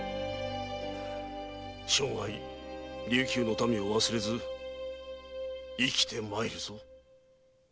生涯琉球の民を忘れず生きてまいるぞ。